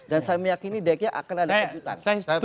dan saya meyakini deknya akan ada kejutan